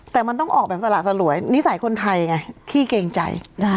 แต่มันต้องออกแบบสละสลวยนิสัยคนไทยไงขี้เกรงใจ